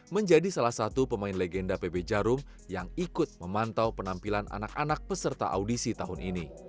menjadi salah satu pemain legenda pb jarum yang ikut memantau penampilan anak anak peserta audisi tahun ini